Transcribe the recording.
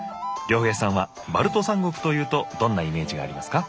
亮平さんはバルト三国というとどんなイメージがありますか？